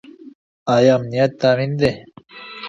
ايا امنيت تامين دی؟